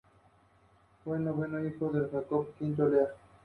Todos ellos titulados en la Pontificia Universidad Católica de Chile.